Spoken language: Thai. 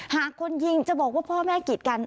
หากคนยิงจะบอกว่าพ่อแม่กีดกัน